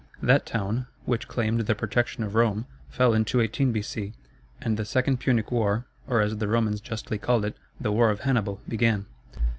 That town, which claimed the protection of Rome, fell in 218 B.C., and the Second Punic War, or, as the Romans justly called it, "the War of Hannibal," began.